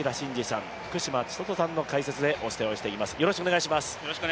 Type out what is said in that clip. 高平慎士さん、福島千里さんの解説でお送りをしていきます。